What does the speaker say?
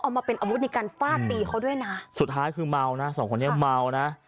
มาเป็นอาวุธในการฟาดตีเขาด้วยนะสุดท้ายคือเมานะสองคนนี้เมานะ